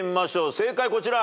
正解こちら。